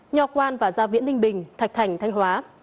nho quan và gia viễn ninh bình thạch thành thanh hóa